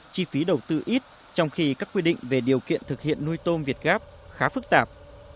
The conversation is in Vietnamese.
chi phí đầu tư ít trong khi các quy định về điều kiện thực hiện nuôi tôm việt gáp khá phức tạp